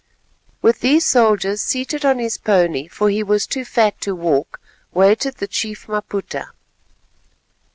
With these soldiers, seated on his pony, for he was too fat to walk, waited the Chief Maputa.